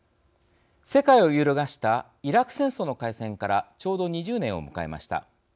世界を揺るがしたイラク戦争の開戦からちょうど２０年を迎えました。